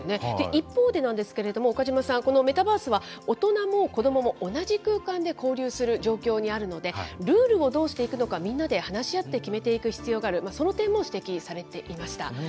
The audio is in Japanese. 一方でなんですけれども、岡嶋さん、このメタバースは大人も子どもも同じ空間で交流する状況にあるので、ルールをどうしていくのか、みんなで話し合って決めていく必要がある、その点も指摘されていました。